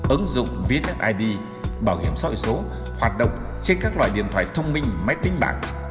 ứng dụng vssid bảo hiểm sôi số hoạt động trên các loại điện thoại thông minh máy tính bảng